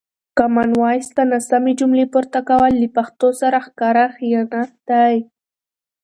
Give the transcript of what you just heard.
کامن وایس ته ناسمې جملې پورته کول له پښتو سره ښکاره خیانت دی.